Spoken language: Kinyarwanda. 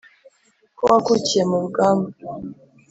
ko wakukiye mu rugamba